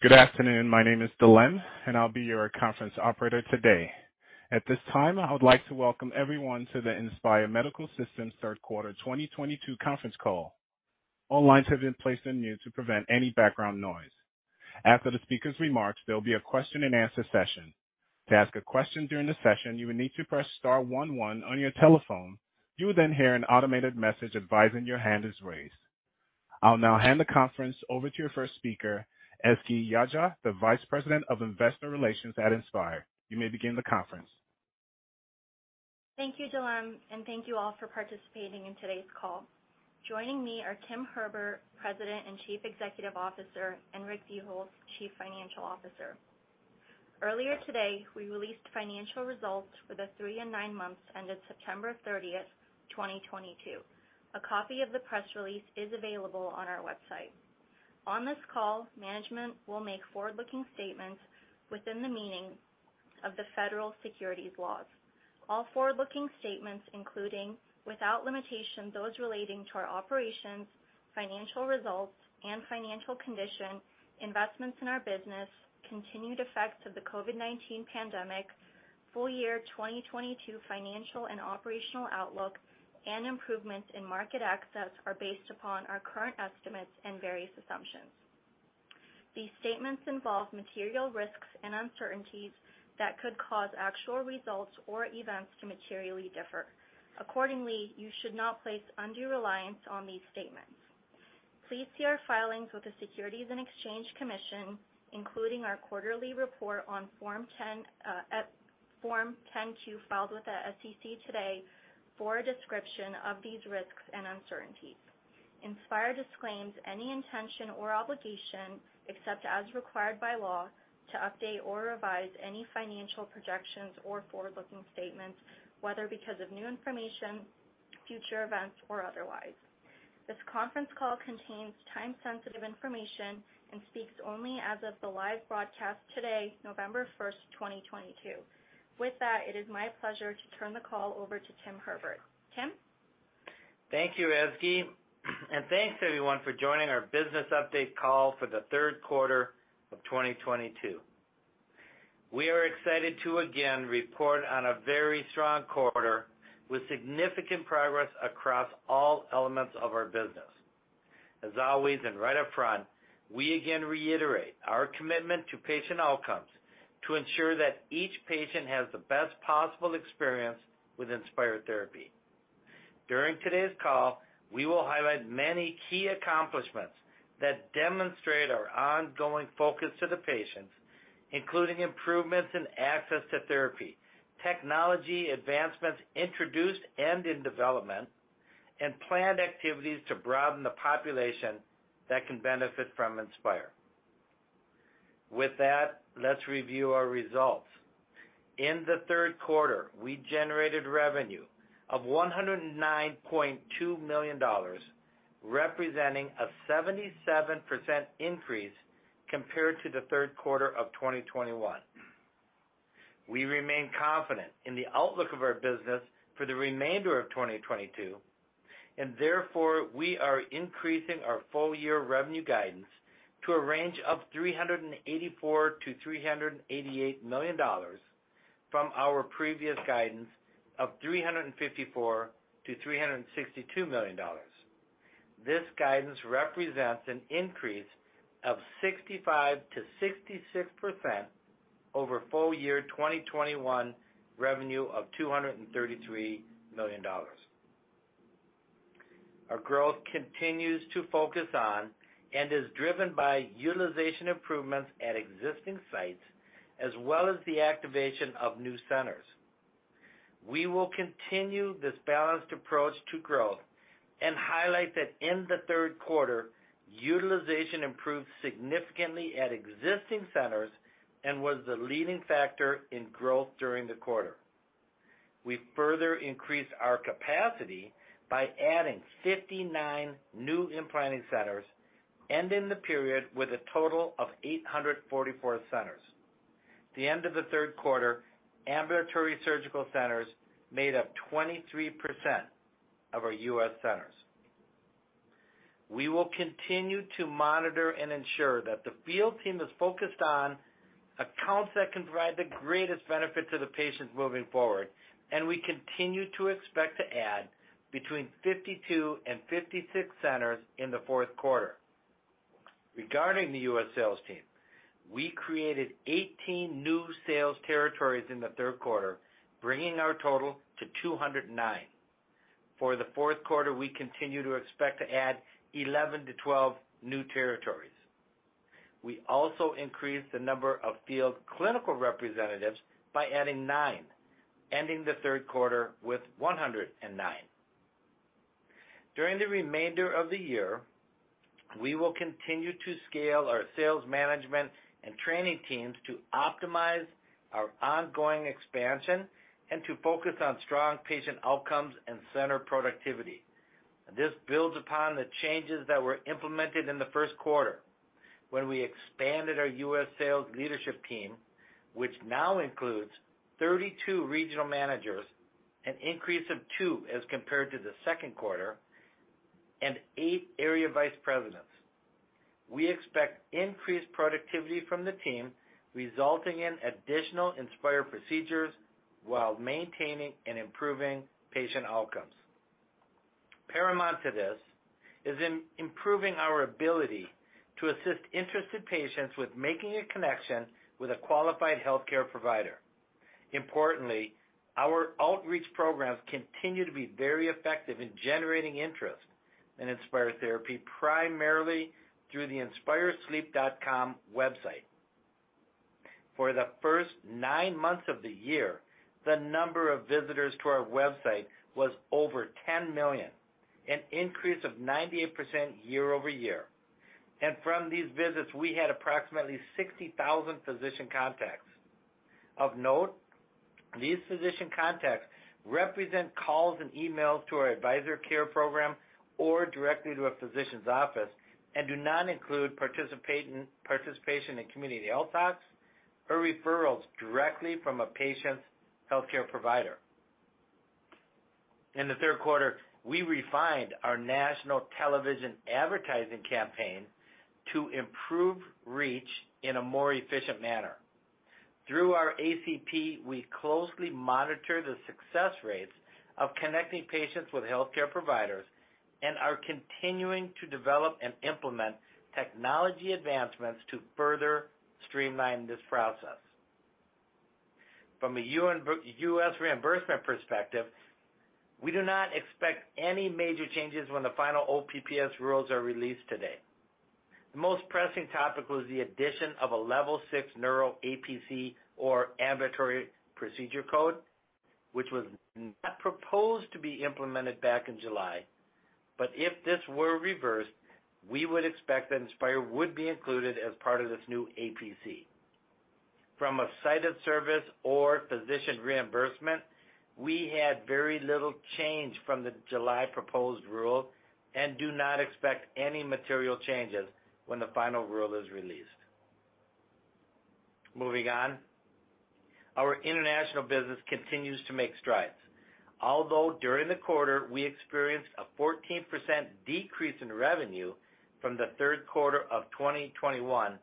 Good afternoon. My name is Delaine, and I'll be your conference operator today. At this time, I would like to welcome everyone to the Inspire Medical Systems third quarter 2022 conference call. All lines have been placed on mute to prevent any background noise. After the speaker's remarks, there'll be a question-and-answer session. To ask a question during the session, you will need to press star one one on your telephone. You will then hear an automated message advising your hand is raised. I'll now hand the conference over to your first speaker, Ezgi Yagci, the Vice President of Investor Relations at Inspire. You may begin the conference. Thank you, Delaine, and thank you all for participating in today's call. Joining me are Tim Herbert, President and Chief Executive Officer, and Rick Buchholz, Chief Financial Officer. Earlier today, we released financial results for the three and nine months ended September 30, 2022. A copy of the press release is available on our website. On this call, management will make forward-looking statements within the meaning of the federal securities laws. All forward-looking statements, including, without limitation, those relating to our operations, financial results and financial condition, investments in our business, continued effects of the COVID-19 pandemic, full year 2022 financial and operational outlook, and improvements in market access are based upon our current estimates and various assumptions. These statements involve material risks and uncertainties that could cause actual results or events to materially differ. Accordingly, you should not place undue reliance on these statements. Please see our filings with the Securities and Exchange Commission, including our quarterly report on Form 10-Q, filed with the SEC today for a description of these risks and uncertainties. Inspire disclaims any intention or obligation, except as required by law, to update or revise any financial projections or forward-looking statements, whether because of new information, future events, or otherwise. This conference call contains time-sensitive information and speaks only as of the live broadcast today, November 1, 2022. With that, it is my pleasure to turn the call over to Tim Herbert. Tim. Thank you, Ezgi, and thanks everyone for joining our business update call for the third quarter of 2022. We are excited to again report on a very strong quarter with significant progress across all elements of our business. As always and right up front, we again reiterate our commitment to patient outcomes to ensure that each patient has the best possible experience with Inspire therapy. During today's call, we will highlight many key accomplishments that demonstrate our ongoing focus to the patients, including improvements in access to therapy, technology advancements introduced and in development, and planned activities to broaden the population that can benefit from Inspire. With that, let's review our results. In the third quarter, we generated revenue of $109.2 million, representing a 77% increase compared to the third quarter of 2021. We remain confident in the outlook of our business for the remainder of 2022, and therefore, we are increasing our full year revenue guidance to a range of $384 million-$388 million from our previous guidance of $354 million-$362 million. This guidance represents an increase of 65%-66% over full year 2021 revenue of $233 million. Our growth continues to focus on and is driven by utilization improvements at existing sites as well as the activation of new centers. We will continue this balanced approach to growth and highlight that in the third quarter, utilization improved significantly at existing centers and was the leading factor in growth during the quarter. We further increased our capacity by adding 59 new implanting centers, ending the period with a total of 844 centers. The end of the third quarter, ambulatory surgical centers made up 23% of our U.S. centers. We will continue to monitor and ensure that the field team is focused on accounts that can provide the greatest benefit to the patients moving forward, and we continue to expect to add between 52 and 56 centers in the fourth quarter. Regarding the U.S. sales team, we created 18 new sales territories in the third quarter, bringing our total to 209. For the fourth quarter, we continue to expect to add 11-12 new territories. We also increased the number of field clinical representatives by adding 9, ending the third quarter with 109. During the remainder of the year, we will continue to scale our sales management and training teams to optimize our ongoing expansion and to focus on strong patient outcomes and center productivity. This builds upon the changes that were implemented in the first quarter when we expanded our U.S. sales leadership team, which now includes 32 regional managers, an increase of 2 as compared to the second quarter, and 8 area vice presidents. We expect increased productivity from the team, resulting in additional Inspire procedures while maintaining and improving patient outcomes. Paramount to this is improving our ability to assist interested patients with making a connection with a qualified healthcare provider. Importantly, our outreach programs continue to be very effective in generating interest in Inspire therapy, primarily through the inspiresleep.com website. For the first 9 months of the year, the number of visitors to our website was over 10 million, an increase of 98% year-over-year. From these visits, we had approximately 60,000 physician contacts. Of note, these physician contacts represent calls and emails to our Advisor Care program or directly to a physician's office and do not include participation in community health talks or referrals directly from a patient's healthcare provider. In the third quarter, we refined our national television advertising campaign to improve reach in a more efficient manner. Through our ACP, we closely monitor the success rates of connecting patients with healthcare providers and are continuing to develop and implement technology advancements to further streamline this process. From a U.S. reimbursement perspective, we do not expect any major changes when the final OPPS rules are released today. The most pressing topic was the addition of a Level 6 Neural APC or Ambulatory Procedure Code, which was not proposed to be implemented back in July. If this were reversed, we would expect that Inspire would be included as part of this new APC. From a site of service or physician reimbursement, we had very little change from the July proposed rule and do not expect any material changes when the final rule is released. Moving on. Our international business continues to make strides. Although during the quarter, we experienced a 14% decrease in revenue from the third quarter of 2021,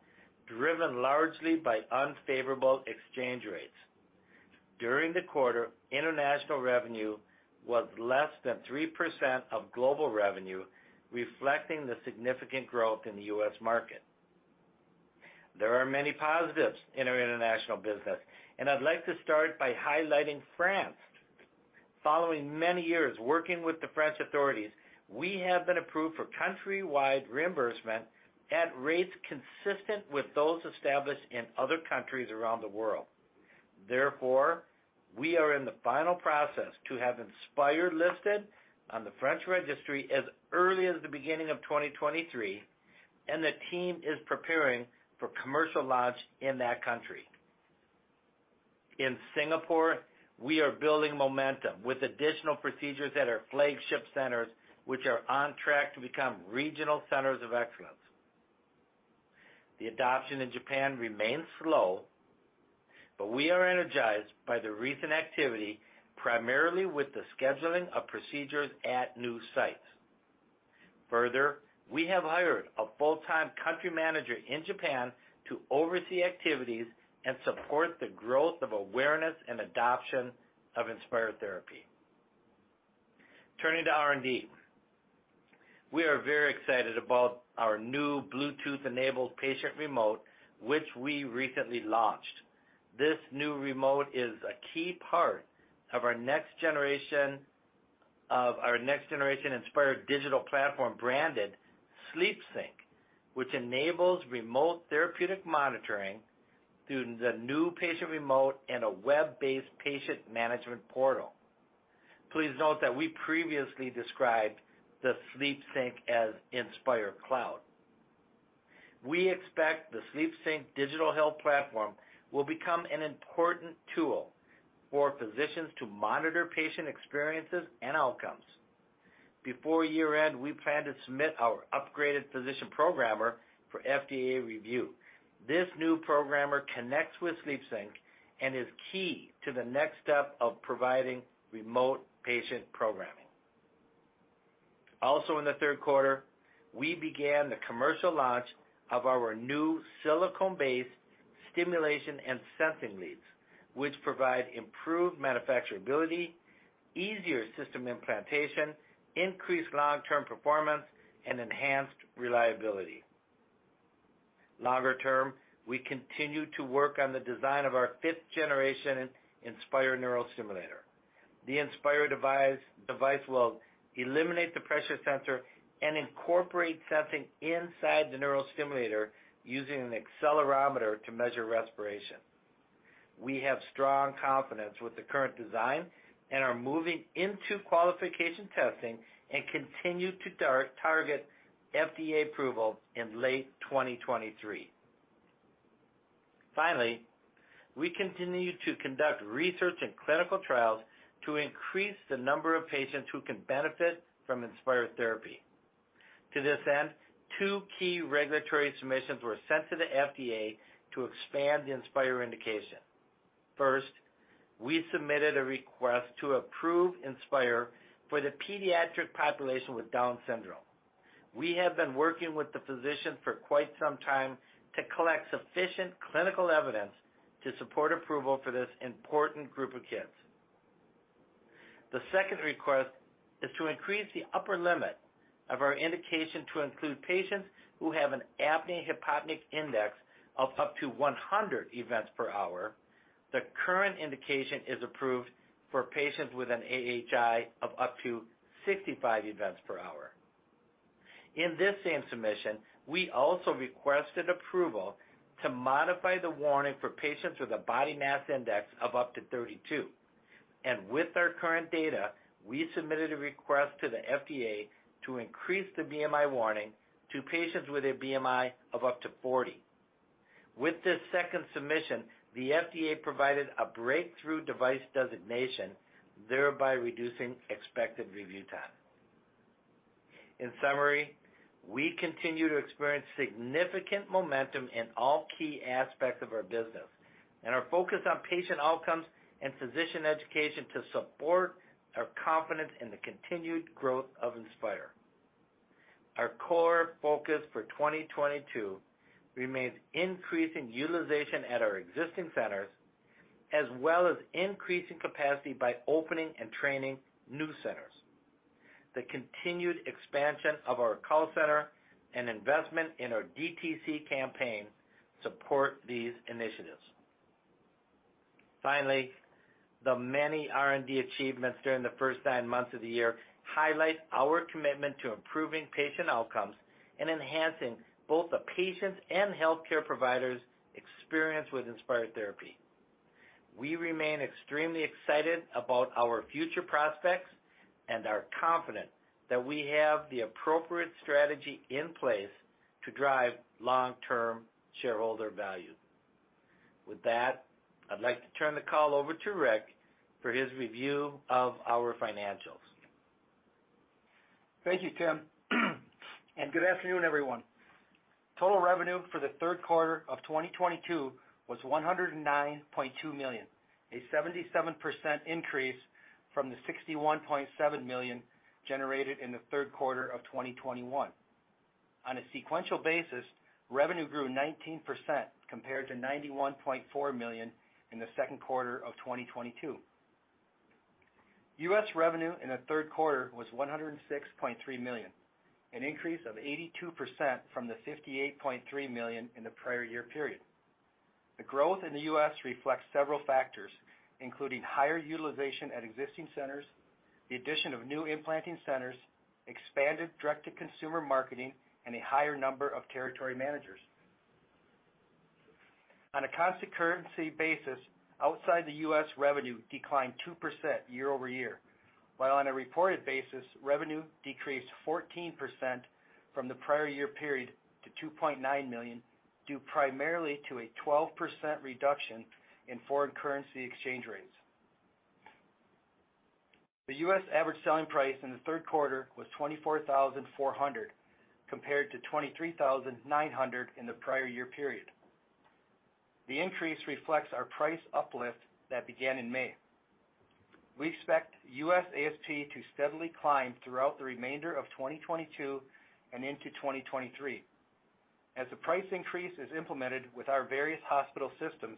driven largely by unfavorable exchange rates. During the quarter, international revenue was less than 3% of global revenue, reflecting the significant growth in the U.S. market. There are many positives in our international business, and I'd like to start by highlighting France. Following many years working with the French authorities, we have been approved for countrywide reimbursement at rates consistent with those established in other countries around the world. Therefore, we are in the final process to have Inspire listed on the French registry as early as the beginning of 2023, and the team is preparing for commercial launch in that country. In Singapore, we are building momentum with additional procedures at our flagship centers, which are on track to become regional centers of excellence. The adoption in Japan remains slow, but we are energized by the recent activity, primarily with the scheduling of procedures at new sites. Further, we have hired a full-time country manager in Japan to oversee activities and support the growth of awareness and adoption of Inspire therapy. Turning to R&D. We are very excited about our new Bluetooth-enabled patient remote, which we recently launched. This new remote is a key part of our next-generation Inspire digital platform branded SleepSync, which enables remote therapeutic monitoring through the new patient remote and a web-based patient management portal. Please note that we previously described the SleepSync as Inspire Cloud. We expect the SleepSync digital health platform will become an important tool for physicians to monitor patient experiences and outcomes. Before year-end, we plan to submit our upgraded physician programmer for FDA review. This new programmer connects with SleepSync and is key to the next step of providing remote patient programming. Also, in the third quarter, we began the commercial launch of our new silicone-based stimulation and sensing leads, which provide improved manufacturability, easier system implantation, increased long-term performance, and enhanced reliability. Longer term, we continue to work on the design of our fifth generation Inspire neurostimulator. The Inspire device will eliminate the pressure sensor and incorporate sensing inside the neurostimulator using an accelerometer to measure respiration. We have strong confidence with the current design and are moving into qualification testing and continue to target FDA approval in late 2023. Finally, we continue to conduct research and clinical trials to increase the number of patients who can benefit from Inspire therapy. To this end, two key regulatory submissions were sent to the FDA to expand the Inspire indication. First, we submitted a request to approve Inspire for the pediatric population with Down syndrome. We have been working with the physicians for quite some time to collect sufficient clinical evidence to support approval for this important group of kids. The second request is to increase the upper limit of our indication to include patients who have an Apnea-Hypopnea Index of up to 100 events per hour. The current indication is approved for patients with an AHI of up to 65 events per hour. In this same submission, we also requested approval to modify the warning for patients with a body mass index of up to 32, and with our current data, we submitted a request to the FDA to increase the BMI warning to patients with a BMI of up to 40. With this second submission, the FDA provided a Breakthrough Device designation, thereby reducing expected review time. In summary, we continue to experience significant momentum in all key aspects of our business, and are focused on patient outcomes and physician education to support our confidence in the continued growth of Inspire. Our core focus for 2022 remains increasing utilization at our existing centers, as well as increasing capacity by opening and training new centers. The continued expansion of our call center and investment in our DTC campaign support these initiatives. Finally, the many R&D achievements during the first 9 months of the year highlight our commitment to improving patient outcomes and enhancing both the patient and healthcare provider's experience with Inspire therapy. We remain extremely excited about our future prospects and are confident that we have the appropriate strategy in place to drive long-term shareholder value. With that, I'd like to turn the call over to Rick for his review of our financials. Thank you, Tim, and good afternoon, everyone. Total revenue for the third quarter of 2022 was $109.2 million, a 77% increase from the $61.7 million generated in the third quarter of 2021. On a sequential basis, revenue grew 19% compared to $91.4 million in the second quarter of 2022. U.S. revenue in the third quarter was $106.3 million, an increase of 82% from the $58.3 million in the prior year period. The growth in the U.S. reflects several factors, including higher utilization at existing centers, the addition of new implanting centers, expanded direct-to-consumer marketing, and a higher number of territory managers. On a constant currency basis, outside the U.S. revenue declined 2% year-over-year. While on a reported basis, revenue decreased 14% from the prior year period to $2.9 million, due primarily to a 12% reduction in foreign currency exchange rates. The U.S. average selling price in the third quarter was $24,400, compared to $23,900 in the prior year period. The increase reflects our price uplift that began in May. We expect U.S. ASP to steadily climb throughout the remainder of 2022 and into 2023. As the price increase is implemented with our various hospital systems,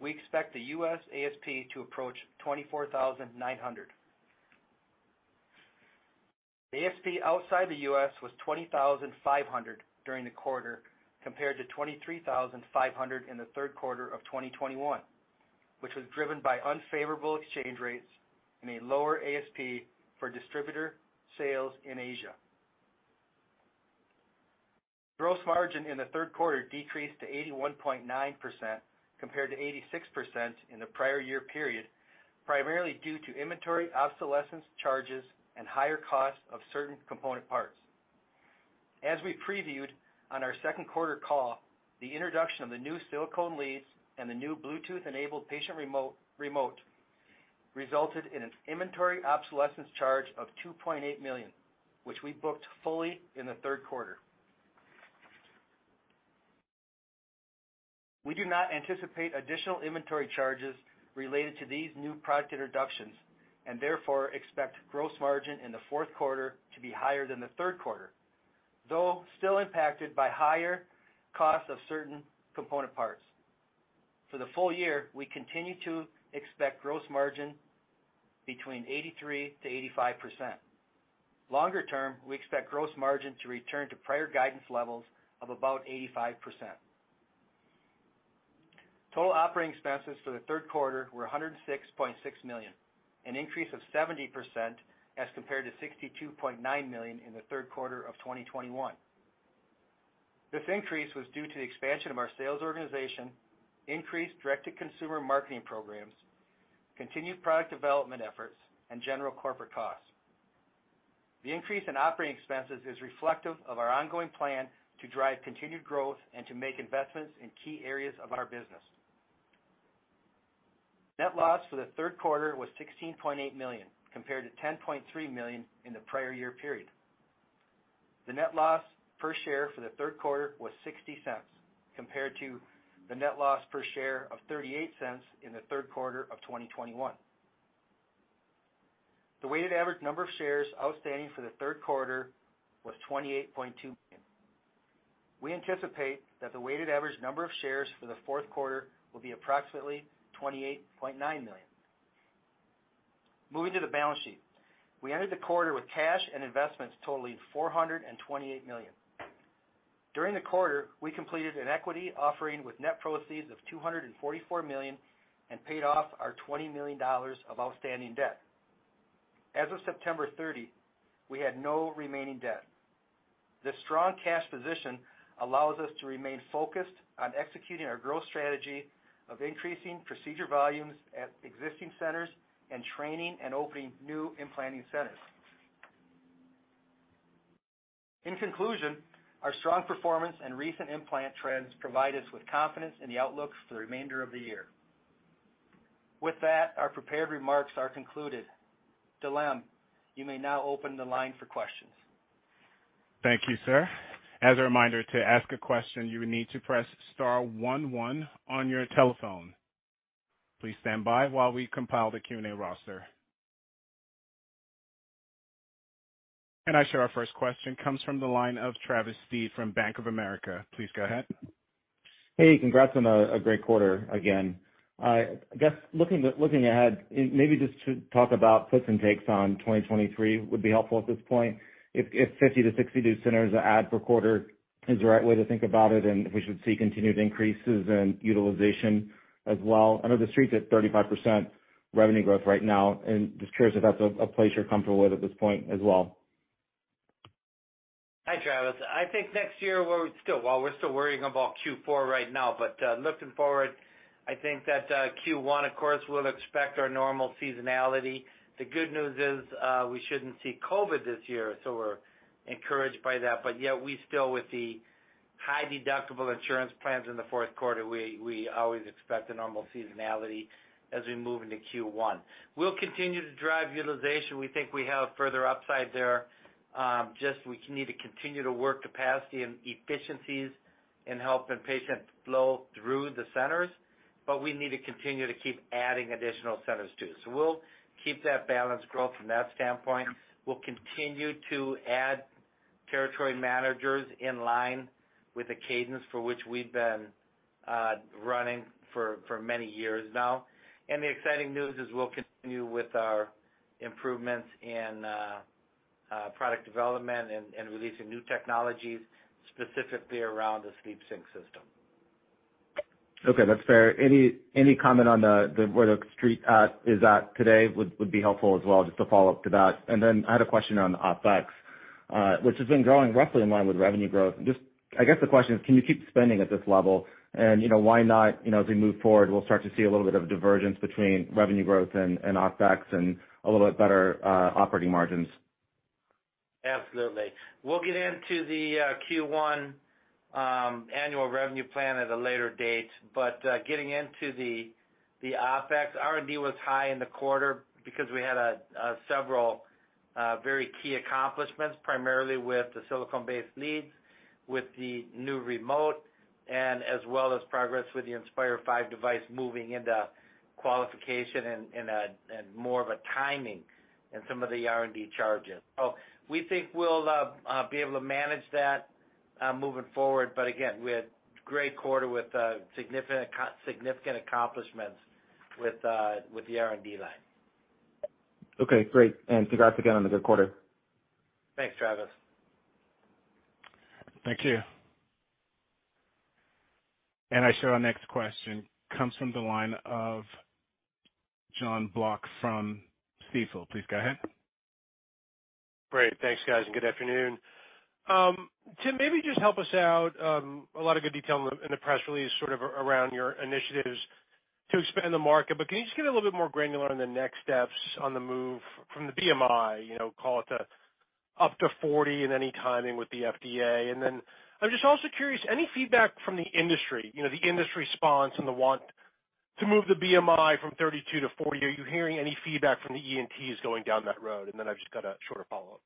we expect the U.S. ASP to approach $24,900. ASP outside the U.S. was $20,500 during the quarter, compared to $23,500 in the third quarter of 2021, which was driven by unfavorable exchange rates and a lower ASP for distributor sales in Asia. Gross margin in the third quarter decreased to 81.9% compared to 86% in the prior year period, primarily due to inventory obsolescence charges and higher costs of certain component parts. As we previewed on our second quarter call, the introduction of the new silicone leads and the new Bluetooth-enabled patient remote resulted in an inventory obsolescence charge of $2.8 million, which we booked fully in the third quarter. We do not anticipate additional inventory charges related to these new product introductions, and therefore, expect gross margin in the fourth quarter to be higher than the third quarter, though still impacted by higher costs of certain component parts. For the full year, we continue to expect gross margin between 83%-85%. Longer term, we expect gross margin to return to prior guidance levels of about 85%. Total operating expenses for the third quarter were $106.6 million, an increase of 70% as compared to $62.9 million in the third quarter of 2021. This increase was due to the expansion of our sales organization, increased direct-to-consumer marketing programs, continued product development efforts, and general corporate costs. The increase in operating expenses is reflective of our ongoing plan to drive continued growth and to make investments in key areas of our business. Net loss for the third quarter was $16.8 million, compared to $10.3 million in the prior year period. The net loss per share for the third quarter was $0.60, compared to the net loss per share of $0.38 in the third quarter of 2021. The weighted average number of shares outstanding for the third quarter was 28.2 million. We anticipate that the weighted average number of shares for the fourth quarter will be approximately 28.9 million. Moving to the balance sheet. We entered the quarter with cash and investments totaling $428 million. During the quarter, we completed an equity offering with net proceeds of $244 million and paid off our $20 million of outstanding debt. As of September 30, we had no remaining debt. This strong cash position allows us to remain focused on executing our growth strategy of increasing procedure volumes at existing centers and training and opening new implanting centers. In conclusion, our strong performance and recent implant trends provide us with confidence in the outlook for the remainder of the year. With that, our prepared remarks are concluded. Delaine, you may now open the line for questions. Thank you, sir. As a reminder, to ask a question, you will need to press star one one on your telephone. Please stand by while we compile the Q&A roster. I show our first question comes from the line of Travis Steed from Bank of America. Please go ahead. Hey, congrats on a great quarter again. I guess looking ahead, maybe just to talk about puts and takes on 2023 would be helpful at this point. If 50-60 new centers add per quarter is the right way to think about it, and if we should see continued increases in utilization as well. I know the street's at 35% revenue growth right now. Just curious if that's a place you're comfortable with at this point as well. Hi, Travis. I think next year we're still worrying about Q4 right now, but looking forward, I think that Q1, of course, we'll expect our normal seasonality. The good news is we shouldn't see COVID this year, so we're encouraged by that. Yeah, we still with the high deductible insurance plans in the fourth quarter, we always expect a normal seasonality as we move into Q1. We'll continue to drive utilization. We think we have further upside there, just we need to continue to work capacity and efficiencies and helping patient flow through the centers, but we need to continue to keep adding additional centers, too. We'll keep that balanced growth from that standpoint. We'll continue to add territory managers in line with the cadence for which we've been running for many years now. The exciting news is we'll continue with our improvements in product development and releasing new technologies, specifically around the SleepSync system. Okay, that's fair. Any comment on where the street is at today would be helpful as well, just to follow up to that. Then I had a question on the OpEx, which has been growing roughly in line with revenue growth. Just I guess the question is, can you keep spending at this level? You know, why not, you know, as we move forward, we'll start to see a little bit of divergence between revenue growth and OpEx and a little bit better operating margins. Absolutely. We'll get into the Q1 annual revenue plan at a later date. Getting into the OpEx, R&D was high in the quarter because we had several very key accomplishments, primarily with the silicone-based leads, with the new remote, and as well as progress with the Inspire V device moving into qualification and more of a timing in some of the R&D charges. We think we'll be able to manage that moving forward. Again, we had great quarter with significant accomplishments with the R&D line. Okay, great. Congrats again on the good quarter. Thanks, Travis. Thank you. I see our next question comes from the line of Jon Block from Stifel. Please go ahead. Great. Thanks, guys. Good afternoon. Tim, maybe just help us out. A lot of good detail in the press release sort of around your initiatives to expand the market. Can you just get a little bit more granular on the next steps on the move from the BMI, you know, call it up to 40 and any timing with the FDA? I'm just also curious, any feedback from the industry, you know, the industry's response and the want to move the BMI from 32-40. Are you hearing any feedback from the ENTs going down that road? I've just got a shorter follow-up.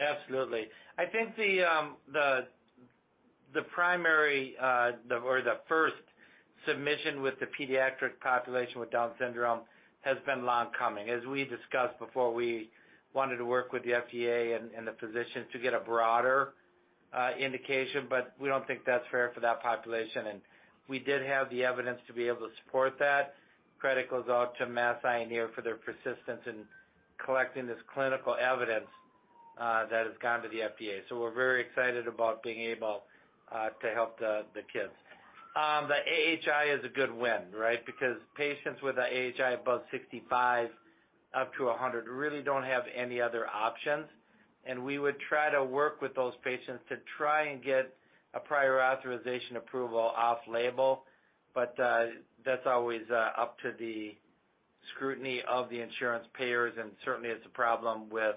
Absolutely. I think the primary or the first submission with the pediatric population with Down syndrome has been long coming. As we discussed before, we wanted to work with the FDA and the physicians to get a broader indication, but we don't think that's fair for that population. We did have the evidence to be able to support that. Credit goes out to Massachusetts Eye and Ear for their persistence in collecting this clinical evidence that has gone to the FDA. We're very excited about being able to help the kids. The AHI is a good win, right? Because patients with an AHI above 65 up to 100 really don't have any other options. We would try to work with those patients to try and get a prior authorization approval off-label, but that's always up to the scrutiny of the insurance payers, and certainly it's a problem with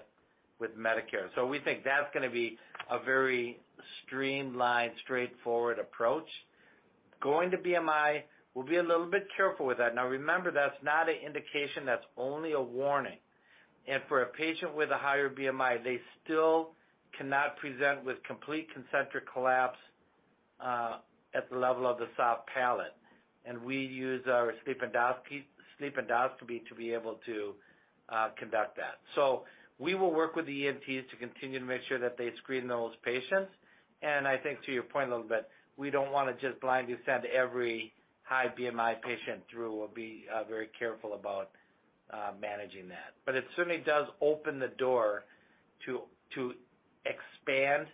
Medicare. We think that's gonna be a very streamlined, straightforward approach. Going to BMI, we'll be a little bit careful with that. Now remember, that's not an indication, that's only a warning. For a patient with a higher BMI, they still cannot present with complete concentric collapse at the level of the soft palate. We use our sleep endoscopy to be able to conduct that. We will work with the ENTs to continue to make sure that they screen those patients. I think to your point a little bit, we don't wanna just blindly send every high BMI patient through. We'll be very careful about managing that. It certainly does open the door to expand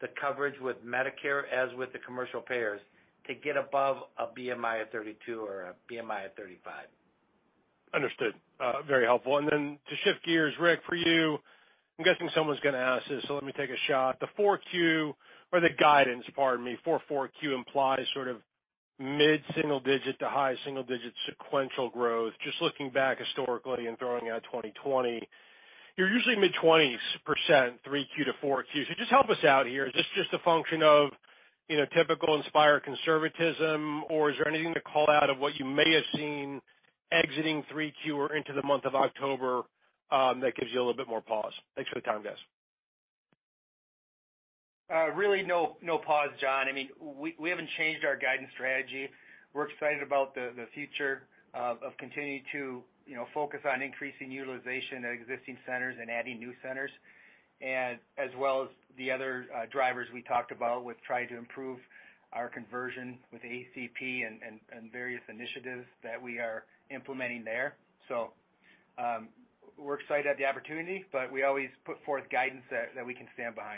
the coverage with Medicare, as with the commercial payers, to get above a BMI of 32 or a BMI of 35. Understood. Very helpful. Then to shift gears, Rick, for you, I'm guessing someone's gonna ask this, so let me take a shot. The 4Q or the guidance, pardon me, for 4Q implies sort of mid-single digit to high single digit sequential growth. Just looking back historically and throwing out 2020, you're usually mid-20s%, 3Q to 4Q. Just help us out here. Is this just a function of, you know, typical Inspire conservatism? Or is there anything to call out of what you may have seen exiting 3Q or into the month of October, that gives you a little bit more pause? Thanks for the time, guys. Really no pause, Jon. I mean, we haven't changed our guidance strategy. We're excited about the future of continuing to, you know, focus on increasing utilization at existing centers and adding new centers. As well as the other drivers we talked about. We've tried to improve our conversion with ACP and various initiatives that we are implementing there. We're excited at the opportunity, but we always put forth guidance that we can stand by.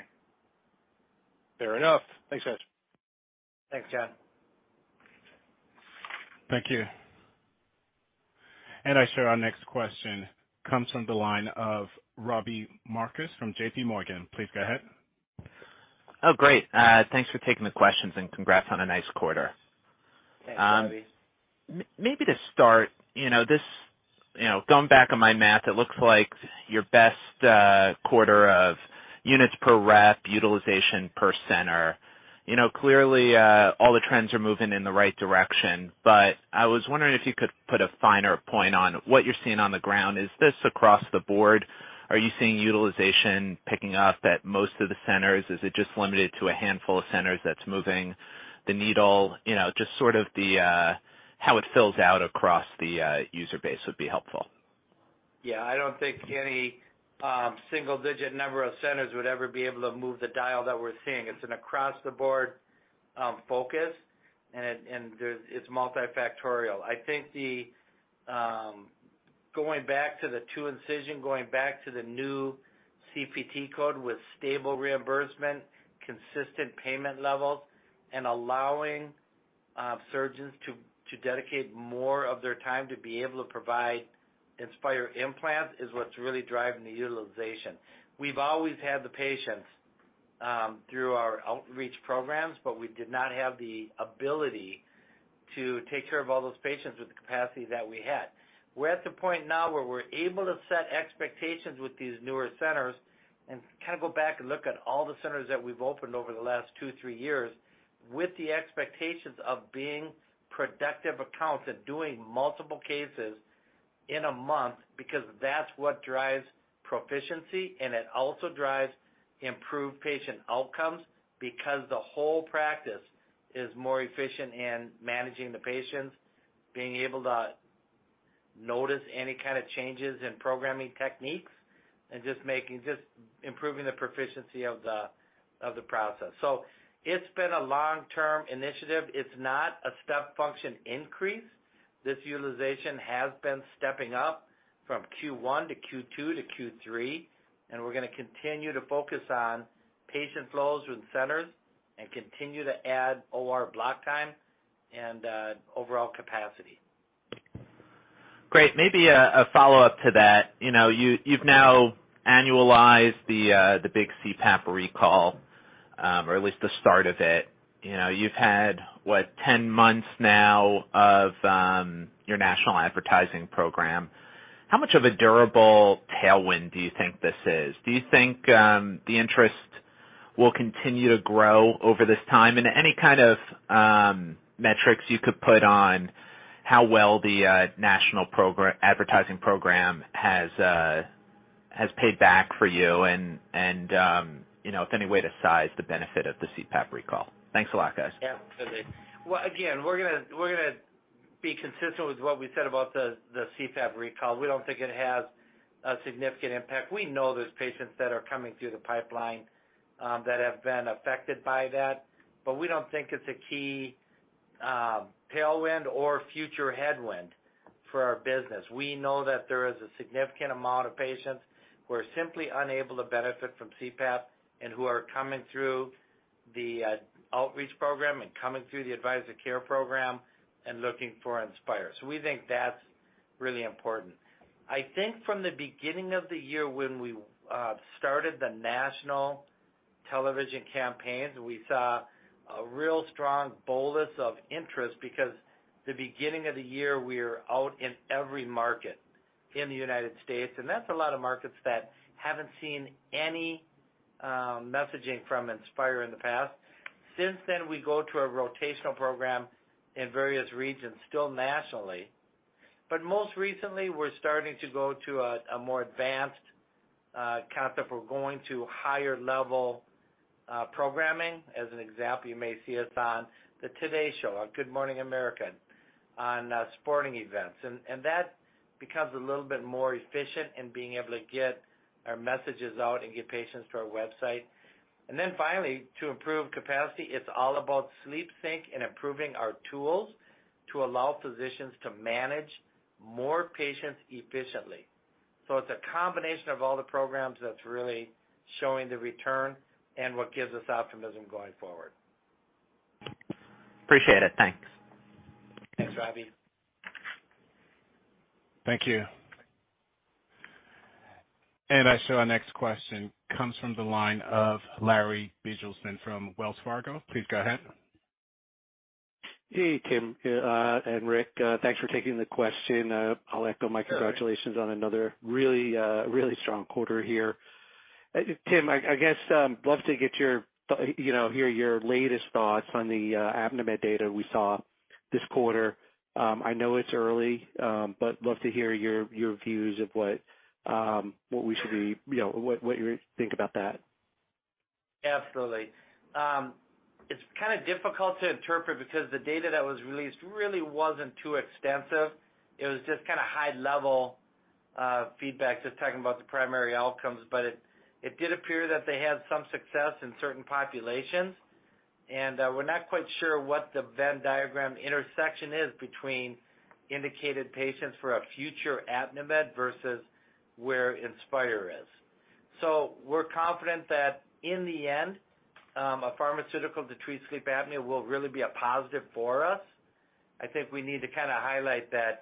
Fair enough. Thanks, guys. Thanks, Jon. Thank you. I show our next question comes from the line of Robbie Marcus from J.P. Morgan. Please go ahead. Oh, great. Thanks for taking the questions, and congrats on a nice quarter. Thanks, Robbie. Maybe to start, you know, this. You know, going back on my math, it looks like your best quarter of units per rep, utilization per center. You know, clearly, all the trends are moving in the right direction, but I was wondering if you could put a finer point on what you're seeing on the ground. Is this across the board? Are you seeing utilization picking up at most of the centers? Is it just limited to a handful of centers that's moving the needle? You know, just sort of the how it fills out across the user base would be helpful. Yeah, I don't think any single digit number of centers would ever be able to move the dial that we're seeing. It's an across-the-board focus, and it's multifactorial. I think going back to the two-incision, going back to the new CPT code with stable reimbursement, consistent payment levels, and allowing surgeons to dedicate more of their time to be able to provide Inspire implants is what's really driving the utilization. We've always had the patients through our outreach programs, but we did not have the ability to take care of all those patients with the capacity that we had. We're at the point now where we're able to set expectations with these newer centers and kind of go back and look at all the centers that we've opened over the last 2 years, 3 years with the expectations of being productive accounts and doing multiple cases in a month because that's what drives proficiency and it also drives improved patient outcomes because the whole practice is more efficient in managing the patients, being able to notice any kind of changes in programming techniques and just improving the proficiency of the process. It's been a long-term initiative. It's not a step function increase. This utilization has been stepping up from Q1 to Q2 to Q3, and we're gonna continue to focus on patient flows with centers and continue to add OR block time and overall capacity. Great. Maybe a follow-up to that. You know, you've now annualized the big CPAP recall, or at least the start of it. You know, you've had, what, 10 months now of your national advertising program. How much of a durable tailwind do you think this is? Do you think the interest will continue to grow over this time? And any kind of metrics you could put on how well the national advertising program has paid back for you and, you know, if any way to size the benefit of the CPAP recall. Thanks a lot, guys. Yeah. Well, again, we're gonna be consistent with what we said about the CPAP recall. We don't think it has a significant impact. We know there's patients that are coming through the pipeline that have been affected by that, but we don't think it's a key tailwind or future headwind for our business. We know that there is a significant amount of patients who are simply unable to benefit from CPAP and who are coming through the outreach program and coming through the Advisory Care program and looking for Inspire. We think that's really important. I think from the beginning of the year when we started the national television campaigns, we saw a real strong bolus of interest because the beginning of the year, we are out in every market in the United States, and that's a lot of markets that haven't seen any messaging from Inspire in the past. Since then, we go to a rotational program in various regions, still nationally. Most recently, we're starting to go to a more advanced concept. We're going to higher level programming. As an example, you may see us on the Today Show or Good Morning America, on sporting events. That becomes a little bit more efficient in being able to get our messages out and get patients to our website. Finally, to improve capacity, it's all about SleepSync and improving our tools to allow physicians to manage more patients efficiently. It's a combination of all the programs that's really showing the return and what gives us optimism going forward. Appreciate it. Thanks. Thanks, Robbie. Thank you. I show our next question comes from the line of Larry Biegelsen from Wells Fargo. Please go ahead. Hey, Tim, and Rick, thanks for taking the question. I'll echo my congratulations on another really strong quarter here. Tim, I guess love to get your, you know, hear your latest thoughts on the Apnimed data we saw this quarter. I know it's early, but love to hear your views on what we should be, you know, what you think about that. Absolutely. It's kind of difficult to interpret because the data that was released really wasn't too extensive. It was just kind of high level feedback, just talking about the primary outcomes. It did appear that they had some success in certain populations. We're not quite sure what the Venn diagram intersection is between indicated patients for a future Apnimed versus where Inspire is. We're confident that in the end, a pharmaceutical to treat sleep apnea will really be a positive for us. I think we need to kind of highlight that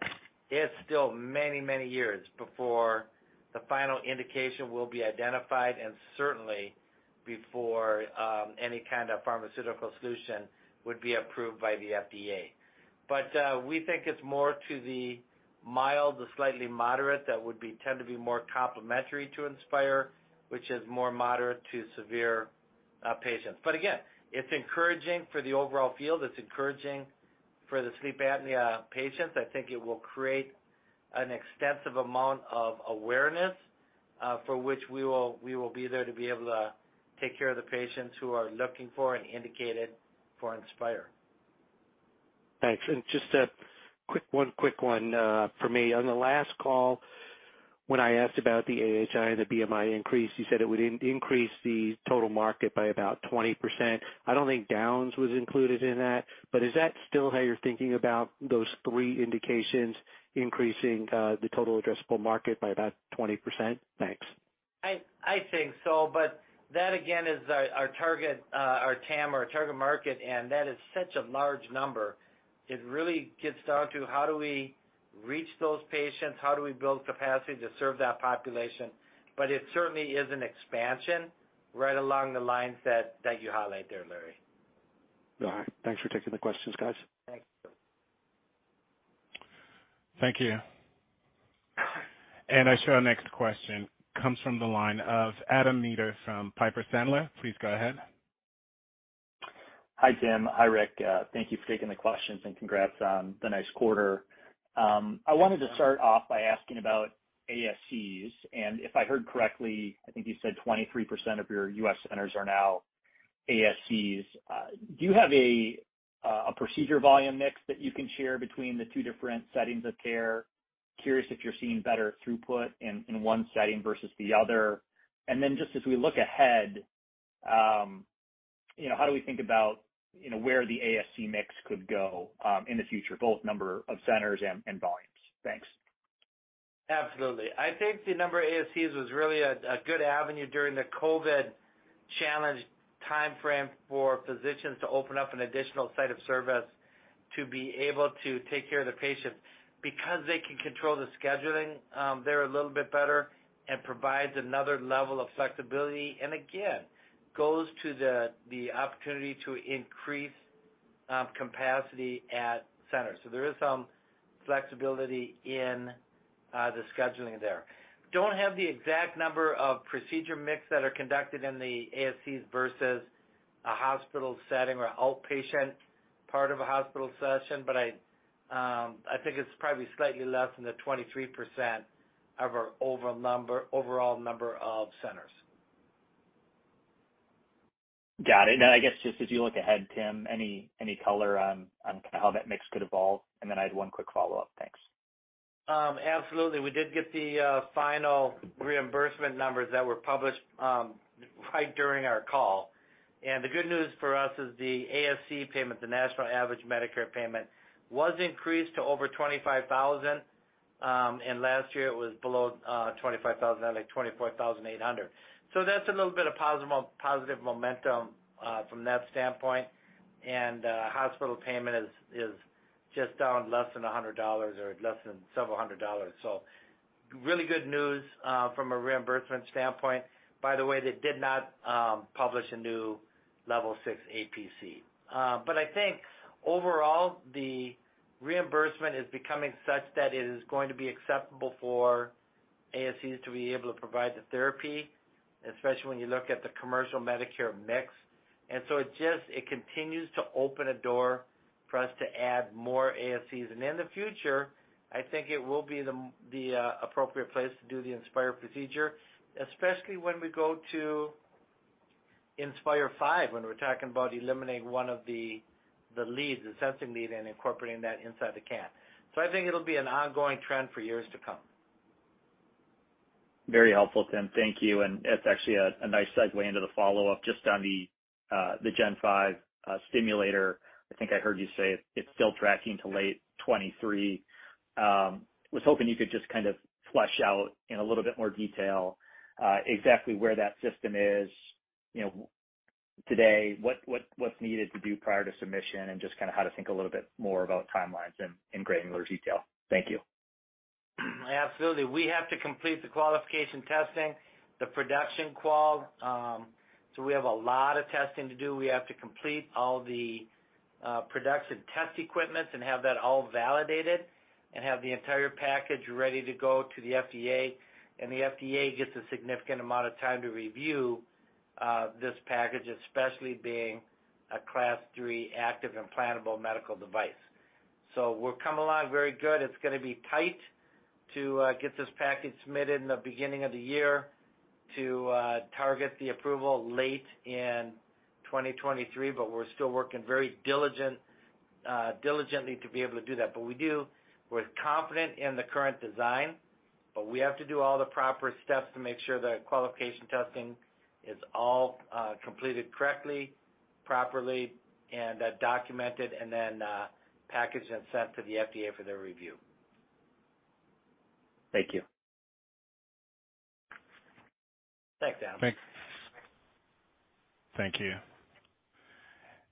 it's still many, many years before the final indication will be identified and certainly before any kind of pharmaceutical solution would be approved by the FDA. We think it's more to the mild to slightly moderate tend to be more complementary to Inspire, which is more moderate to severe patients. Again, it's encouraging for the overall field. It's encouraging for the sleep apnea patients. I think it will create an extensive amount of awareness for which we will be there to be able to take care of the patients who are looking for and indicated for Inspire. Thanks. Just one quick one from me. On the last call, when I asked about the AHI and the BMI increase, you said it would increase the total market by about 20%. I don't think Downs was included in that, but is that still how you're thinking about those three indications increasing the total addressable market by about 20%? Thanks. I think so, but that again is our target, our TAM, our target market, and that is such a large number. It really gets down to how do we reach those patients, how do we build capacity to serve that population? It certainly is an expansion right along the lines that you highlight there, Larry. All right. Thanks for taking the questions, guys. Thanks. Thank you. I show our next question comes from the line of Adam Meder from Piper Sandler. Please go ahead. Hi, Tim. Hi, Rick. Thank you for taking the questions, and congrats on the nice quarter. I wanted to start off by asking about ASCs. If I heard correctly, I think you said 23% of your U.S. centers are now ASCs. Do you have a procedure volume mix that you can share between the two different settings of care? Curious if you're seeing better throughput in one setting versus the other. Just as we look ahead, you know, how do we think about, you know, where the ASC mix could go in the future, both number of centers and volumes? Thanks. Absolutely. I think the number of ASCs was really a good avenue during the COVID challenge timeframe for physicians to open up an additional site of service to be able to take care of the patients. Because they can control the scheduling, they're a little bit better and provides another level of flexibility. Again, goes to the opportunity to increase capacity at centers. There is some flexibility in the scheduling there. Don't have the exact number of procedure mix that are conducted in the ASCs versus a hospital setting or outpatient part of a hospital session, but I think it's probably slightly less than the 23% of our overall number of centers. Got it. I guess just as you look ahead, Tim, any color on kind of how that mix could evolve? I had one quick follow-up. Thanks. Absolutely. We did get the final reimbursement numbers that were published right during our call. The good news for us is the ASC payment, the national average Medicare payment, was increased to over $25,000, and last year it was below $25,000, like $24,800. That's a little bit of positive momentum from that standpoint. Hospital payment is just down less than $100 or less than several hundred dollars. Really good news from a reimbursement standpoint. By the way, they did not publish a new level six APC. I think overall, the reimbursement is becoming such that it is going to be acceptable for ASCs to be able to provide the therapy, especially when you look at the commercial Medicare mix. It continues to open a door for us to add more ASCs. In the future, I think it will be the appropriate place to do the Inspire procedure, especially when we go to Inspire V, when we're talking about eliminating one of the leads, the sensing lead, and incorporating that inside the can. I think it'll be an ongoing trend for years to come. Very helpful, Tim. Thank you. That's actually a nice segue into the follow-up just on the Gen Five stimulator. I think I heard you say it's still tracking to late 2023. Was hoping you could just kind of flesh out in a little bit more detail exactly where that system is, you know, today, what's needed to do prior to submission, and just kinda how to think a little bit more about timelines in granular detail. Thank you. Absolutely. We have to complete the qualification testing, the production qual. We have a lot of testing to do. We have to complete all the production test equipment and have that all validated and have the entire package ready to go to the FDA. The FDA gets a significant amount of time to review this package, especially being a Class III active implantable medical device. We're coming along very good. It's gonna be tight to get this package submitted in the beginning of the year to target the approval late in 2023, but we're still working very diligently to be able to do that. We do. We're confident in the current design, but we have to do all the proper steps to make sure the qualification testing is all completed correctly, properly, and documented, and then packaged and sent to the FDA for their review. Thank you. Thanks, Adam. Thanks. Thank you.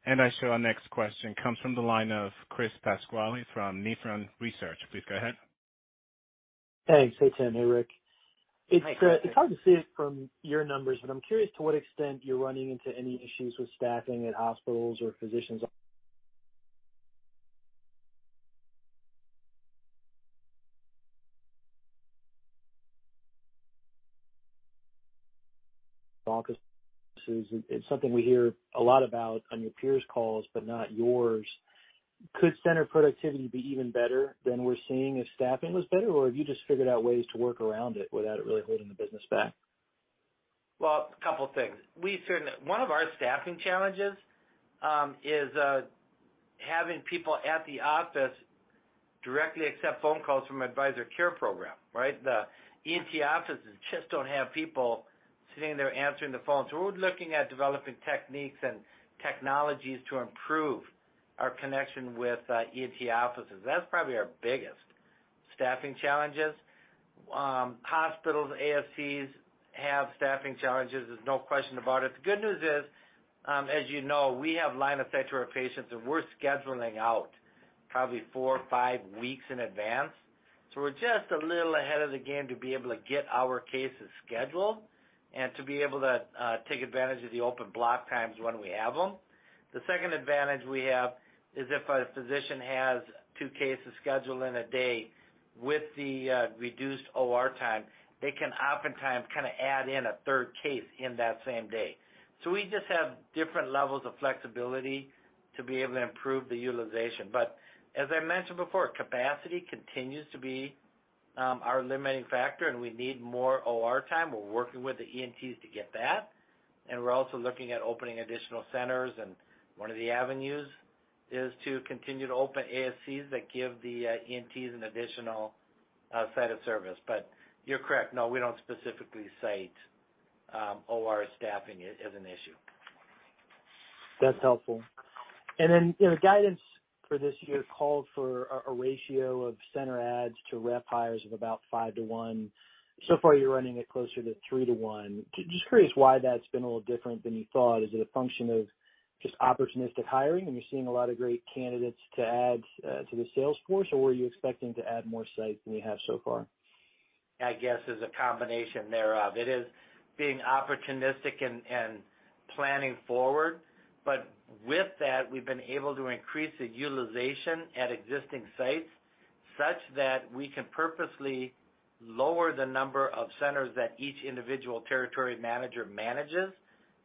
Our next question comes from the line of Chris Pasquale from Nephron Research. Please go ahead. Thanks. Hey, Tim. Hey, Rick. Hi, Chris. It's hard to see it from your numbers, but I'm curious to what extent you're running into any issues with staffing at hospitals or physicians? It's something we hear a lot about on your peers calls, but not yours. Could center productivity be even better than we're seeing if staffing was better, or have you just figured out ways to work around it without it really holding the business back? Well, a couple things. One of our staffing challenges is having people at the office directly accept phone calls from Advisory Care program, right? The ENT offices just don't have people sitting there answering the phone. So we're looking at developing techniques and technologies to improve our connection with ENT offices. That's probably our biggest staffing challenges. Hospitals, ASCs have staffing challenges, there's no question about it. The good news is, as you know, we have line of sight to our patients, and we're scheduling out probably four or five weeks in advance. We're just a little ahead of the game to be able to get our cases scheduled and to be able to take advantage of the open block times when we have them. The second advantage we have is if a physician has two cases scheduled in a day with the reduced OR time, they can oftentimes kinda add in a third case in that same day. We just have different levels of flexibility to be able to improve the utilization. As I mentioned before, capacity continues to be our limiting factor, and we need more OR time. We're working with the ENTs to get that, and we're also looking at opening additional centers, and one of the avenues is to continue to open ASCs that give the ENTs an additional set of service. You're correct. No, we don't specifically cite OR staffing as an issue. That's helpful. Then, you know, guidance for this year called for a ratio of center adds to rep hires of about 5 to 1. So far you're running it closer to 3 to 1. Just curious why that's been a little different than you thought. Is it a function of just opportunistic hiring, and you're seeing a lot of great candidates to add to the sales force? Or were you expecting to add more sites than you have so far? I guess it's a combination thereof. It is being opportunistic and planning forward. With that, we've been able to increase the utilization at existing sites such that we can purposely lower the number of centers that each individual territory manager manages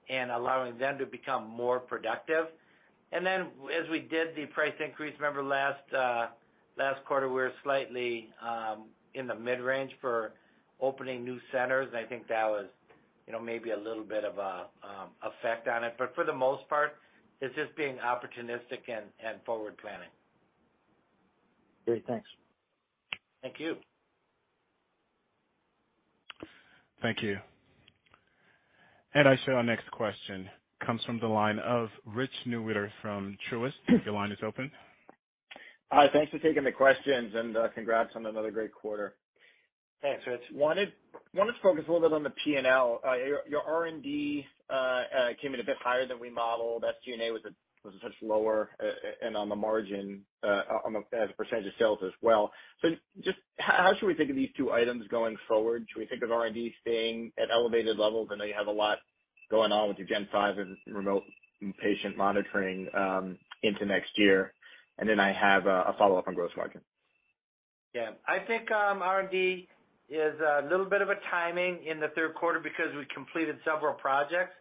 and allowing them to become more productive. Then as we did the price increase, remember last quarter, we were slightly in the mid-range for opening new centers. I think that was, you know, maybe a little bit of a effect on it. For the most part, it's just being opportunistic and forward planning. Great. Thanks. Thank you. Thank you. I show our next question comes from the line of Richard Newitter from Truist. Your line is open. Hi, thanks for taking the questions, and congrats on another great quarter. Thanks, Rich. Wanted to focus a little bit on the P&L. Your R&D came in a bit higher than we modeled. SG&A was a touch lower and on the margin as a percentage of sales as well. Just how should we think of these two items going forward? Should we think of R&D staying at elevated levels? I know you have a lot going on with your Gen5 and remote patient monitoring into next year. Then I have a follow-up on gross margin. Yeah. I think R&D is a little bit of a timing in the third quarter because we completed several projects.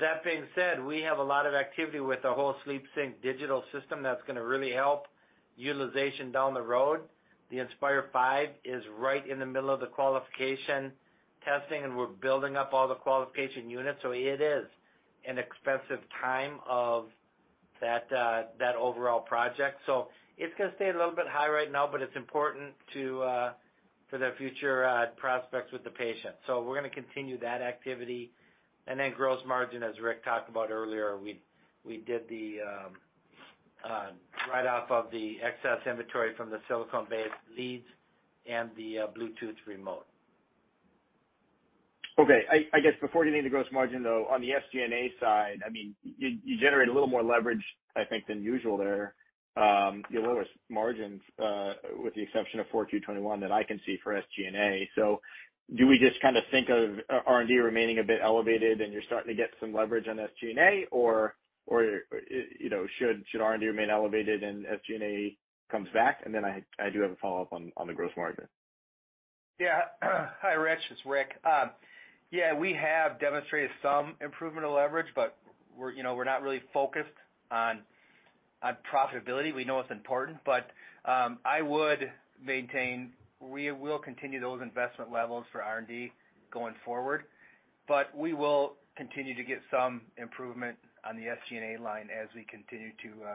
That being said, we have a lot of activity with the whole SleepSync digital system that's gonna really help utilization down the road. The Inspire V is right in the middle of the qualification testing, and we're building up all the qualification units, so it is an expensive time of that overall project. It's gonna stay a little bit high right now, but it's important to for the future prospects with the patient. We're gonna continue that activity. Then gross margin, as Rick talked about earlier, we did the write off of the excess inventory from the silicone-based leads and the Bluetooth remote. Okay. I guess before getting to gross margin, though, on the SG&A side, I mean, you generate a little more leverage, I think, than usual there. Your lowest margins, with the exception of Q4 2021 that I can see for SG&A. Do we just kind of think of R&D remaining a bit elevated and you're starting to get some leverage on SG&A? Or you know, should R&D remain elevated and SG&A comes back? Then I do have a follow-up on the gross margin. Yeah. Hi, Rich. It's Rick. Yeah, we have demonstrated some improvement of leverage, but we're, you know, we're not really focused on profitability. We know it's important, but I would maintain we will continue those investment levels for R&D going forward. We will continue to get some improvement on the SG&A line as we continue to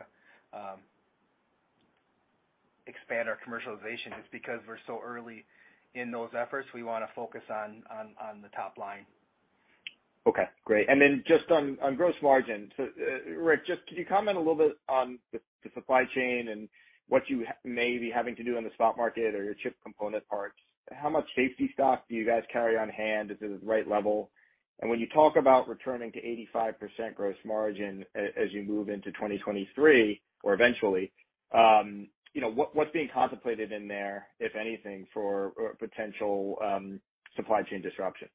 expand our commercialization. It's because we're so early in those efforts, we wanna focus on the top line. Okay, great. Just on gross margin. Rick, just could you comment a little bit on the supply chain and what you may be having to do in the spot market or your chip component parts? How much safety stock do you guys carry on hand? Is it at the right level? When you talk about returning to 85% gross margin as you move into 2023 or eventually, you know, what's being contemplated in there, if anything, for or potential supply chain disruption?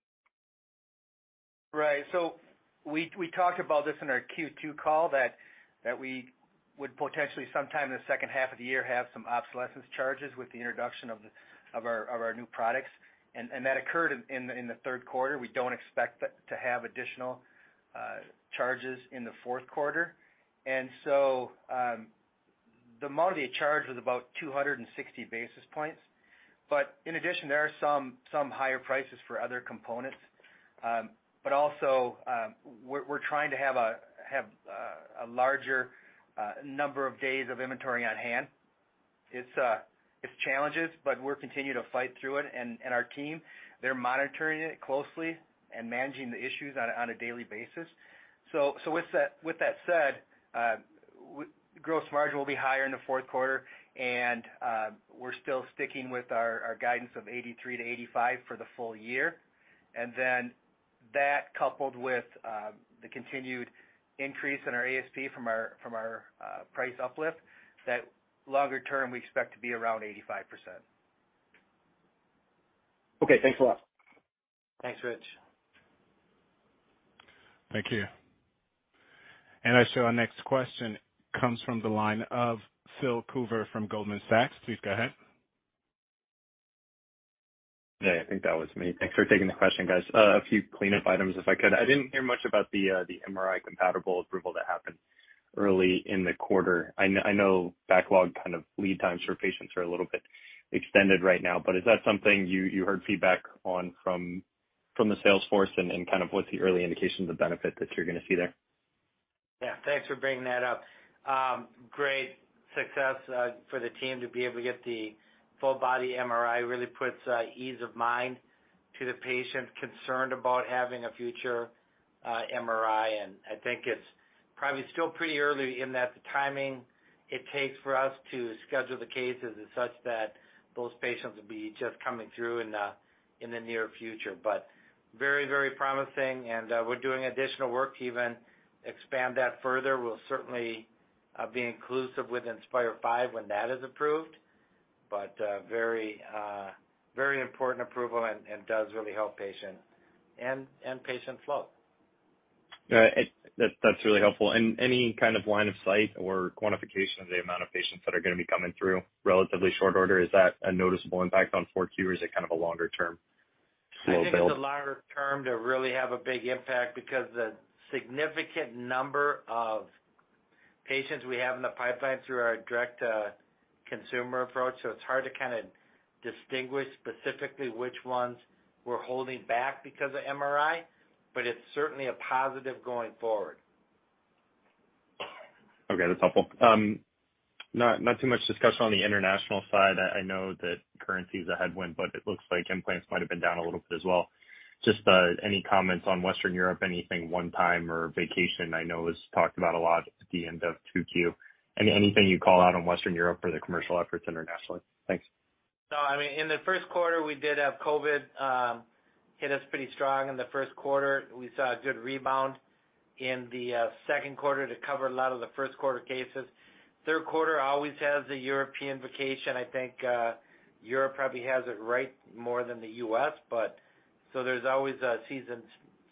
Right. We talked about this in our Q2 call that we would potentially sometime in the second half of the year have some obsolescence charges with the introduction of our new products. That occurred in the third quarter. We don't expect it to have additional charges in the fourth quarter. The amount they charged was about 260 basis points. In addition, there are some higher prices for other components. We're trying to have a larger number of days of inventory on hand. It's challenges, but we're continuing to fight through it. Our team, they're monitoring it closely and managing the issues on a daily basis. With that said, gross margin will be higher in the fourth quarter, and we're still sticking with our guidance of 83%-85% for the full year. That coupled with the continued increase in our ASP from our price uplift, that longer term we expect to be around 85%. Okay, thanks a lot. Thanks, Rich. Thank you. Our next question comes from the line of Phil Coover from Goldman Sachs. Please go ahead. Yeah, I think that was me. Thanks for taking the question, guys. A few cleanup items if I could. I didn't hear much about the MRI compatible approval that happened early in the quarter. I know backlog kind of lead times for patients are a little bit extended right now, but is that something you heard feedback on from the sales force? Kind of what's the early indications of benefit that you're gonna see there? Yeah. Thanks for bringing that up. Great success for the team to be able to get the full body MRI really puts peace of mind to the patient concerned about having a future MRI. I think it's probably still pretty early in that the timing it takes for us to schedule the cases is such that those patients will be just coming through in the near future. Very, very promising, and we're doing additional work to even expand that further. We'll certainly be inclusive with Inspire V when that is approved. Very, very important approval and does really help patient and patient flow. Yeah. That, that's really helpful. Any kind of line of sight or quantification of the amount of patients that are gonna be coming through relatively short order, is that a noticeable impact on 4Q or is it kind of a longer term slow build? I think it's a longer term to really have a big impact because the significant number of patients we have in the pipeline through our direct consumer approach, so it's hard to kinda distinguish specifically which ones we're holding back because of MRI, but it's certainly a positive going forward. Okay, that's helpful. Not too much discussion on the international side. I know that currency is a headwind, but it looks like implants might have been down a little bit as well. Just any comments on Western Europe, anything one-time or vacation I know is talked about a lot at the end of 2Q. Anything you call out on Western Europe for the commercial efforts internationally? Thanks. No, I mean, in the first quarter, we did have COVID hit us pretty strong in the first quarter. We saw a good rebound in the second quarter to cover a lot of the first quarter cases. Third quarter always has a European vacation. I think Europe probably has it right more than the U.S, but there's always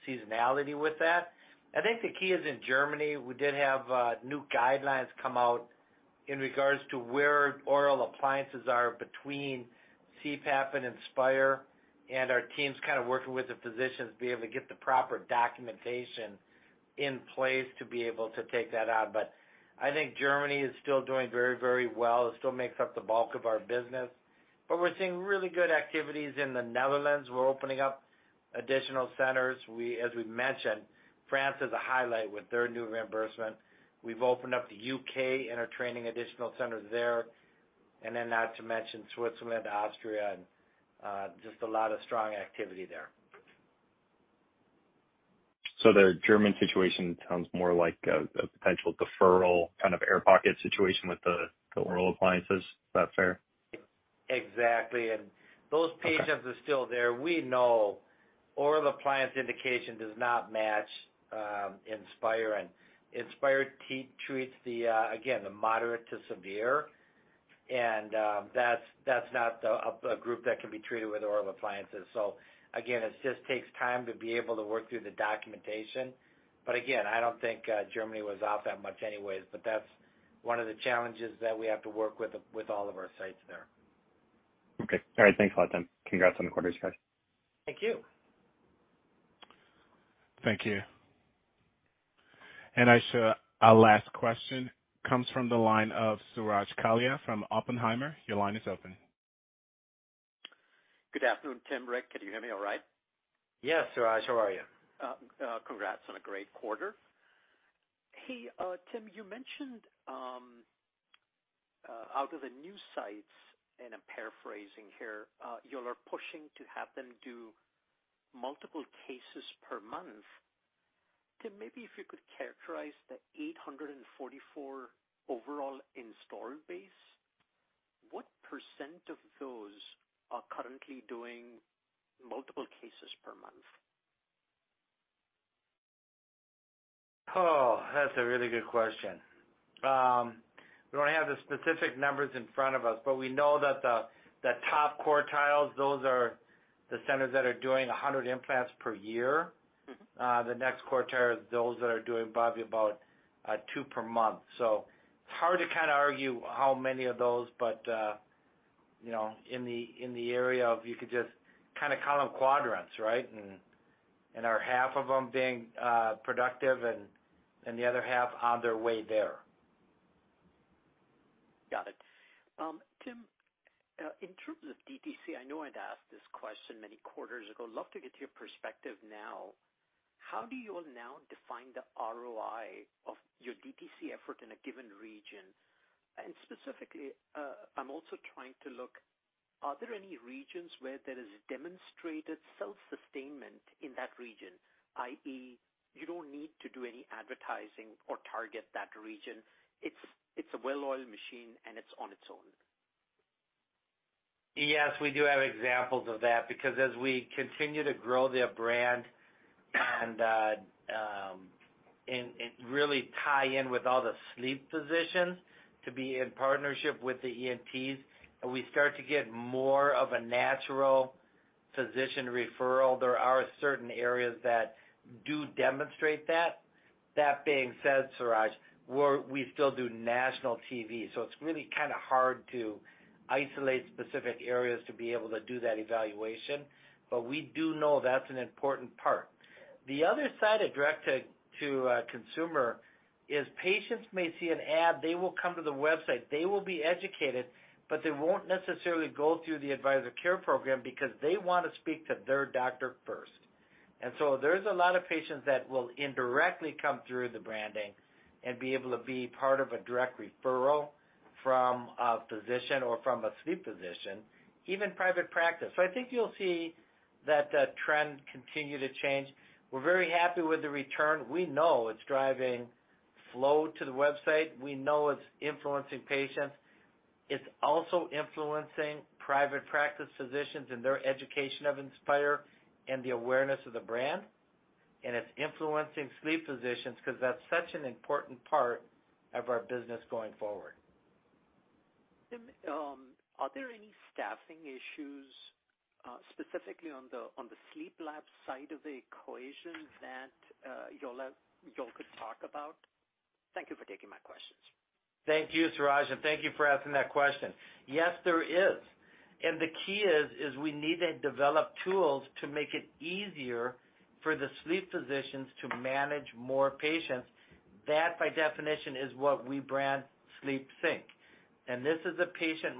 seasonality with that. I think the key is in Germany, we did have new guidelines come out in regards to where oral appliances are between CPAP and Inspire, and our teams kinda working with the physicians to be able to get the proper documentation in place to be able to take that on. But I think Germany is still doing very, very well. It still makes up the bulk of our business. But we're seeing really good activities in the Netherlands. We're opening up additional centers. As we've mentioned, France is a highlight with their new reimbursement. We've opened up the U.K. and are training additional centers there, and then not to mention Switzerland, Austria, and just a lot of strong activity there. The German situation sounds more like a potential deferral kind of air pocket situation with the oral appliances. Is that fair? Exactly. Okay. Patients are still there. We know oral appliance indication does not match Inspire. Inspire treats the, again, the moderate to severe. That's not a group that can be treated with oral appliances. It just takes time to be able to work through the documentation. I don't think Germany was off that much anyways, but that's one of the challenges that we have to work with all of our sites there. Okay. All right. Thanks a lot then. Congrats on the quarters, guys. Thank you. Thank you. I show our last question comes from the line of Suraj Kalia from Oppenheimer. Your line is open. Good afternoon, Tim, Rick. Can you hear me all right? Yes, Suraj. How are you? Congrats on a great quarter. Hey, Tim, you mentioned out of the new sites, and I'm paraphrasing here, y'all are pushing to have them do multiple cases per month. Tim, maybe if you could characterize the 844 overall installed base, what % of those are currently doing multiple cases per month? Oh, that's a really good question. We don't have the specific numbers in front of us, but we know that the top quartiles, those are the centers that are doing 100 implants per year The next quartile are those that are doing probably about 2 per month. It's hard to kinda argue how many of those, but you know, in the area of you could just kinda count on quartiles, right? Are half of them being productive and the other half on their way there. Got it. Tim, in terms of DTC, I know I'd asked this question many quarters ago. Love to get your perspective now. How do you all now define the ROI of your DTC effort in a given region? Specifically, I'm also trying to look, are there any regions where there is demonstrated self-sustainment in that region, i.e., you don't need to do any advertising or target that region. It's a well-oiled machine, and it's on its own. Yes, we do have examples of that because as we continue to grow their brand and really tie in with all the sleep physicians to be in partnership with the ENTs, and we start to get more of a natural physician referral, there are certain areas that do demonstrate that. That being said, Suraj, we still do national TV, so it's really kinda hard to isolate specific areas to be able to do that evaluation, but we do know that's an important part. The other side of direct to consumer is patients may see an ad, they will come to the website, they will be educated, but they won't necessarily go through the Advisory Care program because they wanna speak to their doctor first. There's a lot of patients that will indirectly come through the branding and be able to be part of a direct referral from a physician or from a sleep physician, even private practice. I think you'll see that the trend continue to change. We're very happy with the return. We know it's driving flow to the website. We know it's influencing patients. It's also influencing private practice physicians in their education of Inspire and the awareness of the brand. It's influencing sleep physicians 'cause that's such an important part of our business going forward. Tim, are there any staffing issues, specifically on the sleep lab side of the equation that y'all could talk about? Thank you for taking my questions. Thank you, Suraj, and thank you for asking that question. Yes, there is. The key is we need to develop tools to make it easier for the sleep physicians to manage more patients. That, by definition, is what we brand SleepSync. This is a patient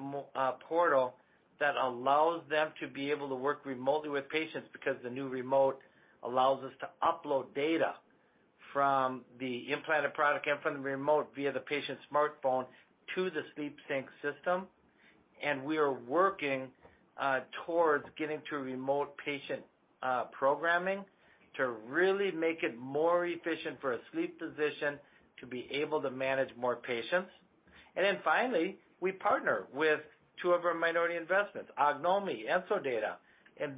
portal that allows them to be able to work remotely with patients because the new remote allows us to upload data from the implanted product and from the remote via the patient's smartphone to the SleepSync system. We are working towards getting to remote patient programming to really make it more efficient for a sleep physician to be able to manage more patients. Finally, we partner with two of our minority investments, Ognomy, EnsoData.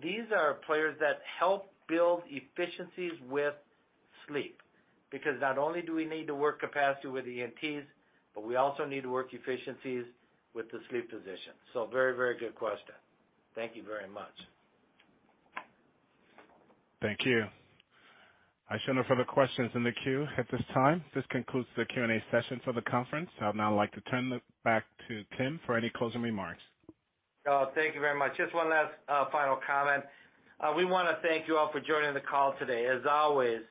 These are players that help build efficiencies with sleep. Because not only do we need to work capacity with ENTs, but we also need to work efficiencies with the sleep physicians. Very, very good question. Thank you very much. Thank you. I show no further questions in the queue at this time. This concludes the Q&A session for the conference. I'd now like to turn it back to Tim for any closing remarks. Thank you very much. Just one last, final comment. We wanna thank you all for joining the call today. As always,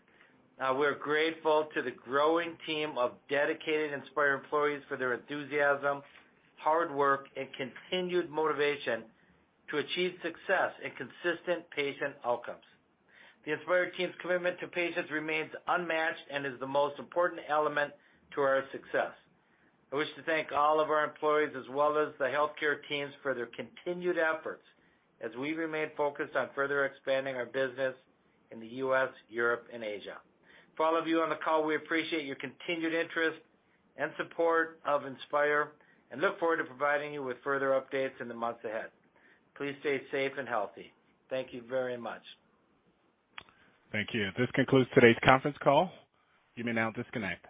we're grateful to the growing team of dedicated Inspire employees for their enthusiasm, hard work, and continued motivation to achieve success in consistent patient outcomes. The Inspire team's commitment to patients remains unmatched and is the most important element to our success. I wish to thank all of our employees as well as the healthcare teams for their continued efforts as we remain focused on further expanding our business in the U.S, Europe, and Asia. For all of you on the call, we appreciate your continued interest and support of Inspire and look forward to providing you with further updates in the months ahead. Please stay safe and healthy. Thank you very much. Thank you. This concludes today's conference call. You may now disconnect.